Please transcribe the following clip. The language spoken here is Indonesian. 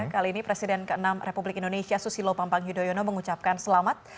kali ini presiden ke enam republik indonesia susilo pampang yudhoyono mengucapkan selamat